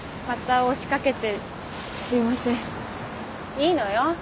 いいのよ。